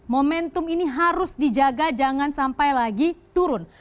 momentum ini harus dijaga jangan sampai lagi turun